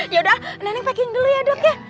yaudah nenek packing dulu ya dok ya